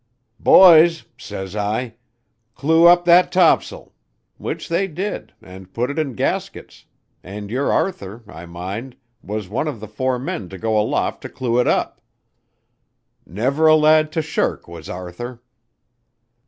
'Boys,' says I, 'clew up that tops'l.' Which they did, and put it in gaskets, and your Arthur, I mind, was one of the four men to go aloft to clew it up. Never a lad to shirk was Arthur.